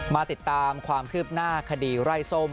มาติดตามความคืบหน้าคดีไร่ส้ม